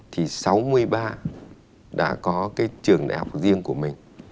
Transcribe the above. thì sáu mươi ba đã có cái trường đại học riêng của mình